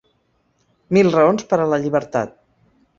Mil raons per a la llibertat!